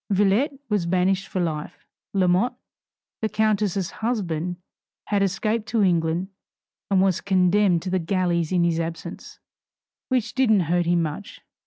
Villette was banished for life. Lamotte, the countess' husband, had escaped to England, and was condemned to the galleys in his absence, which didn't hurt him much.